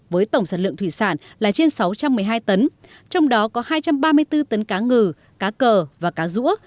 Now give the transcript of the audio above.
với tổng sản lượng thủy sản là trên sáu trăm một mươi hai tấn trong đó có hai trăm ba mươi bốn tấn cá ngừ cá cờ và cá rũa